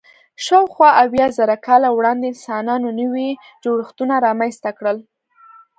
شاوخوا اویا زره کاله وړاندې انسانانو نوي جوړښتونه رامنځ ته کړل.